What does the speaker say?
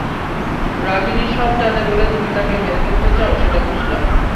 রাগিনী সব জানে বলে তুমি তাকে মেরে ফেলতে চাও, সেটা বুঝলাম।